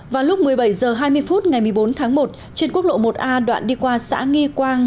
vào lúc một mươi bảy h hai mươi phút ngày một mươi bốn tháng một trên quốc lộ một a đoạn đi qua xã nghi quang